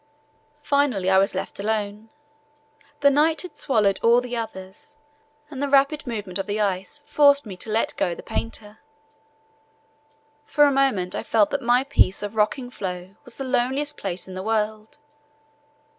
Finally I was left alone. The night had swallowed all the others and the rapid movement of the ice forced me to let go the painter. For a moment I felt that my piece of rocking floe was the loneliest place in the world.